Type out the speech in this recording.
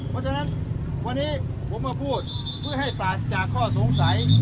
เพราะฉะนั้นวันนี้ผมมาพูดเพื่อให้ปราศจากข้อสงสัย